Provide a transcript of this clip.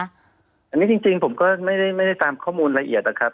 อันนี้จริงผมก็ไม่ได้ตามข้อมูลละเอียดนะครับ